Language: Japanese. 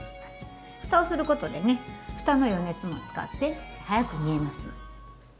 ふたをすることでふたの余熱も使って早く煮えます。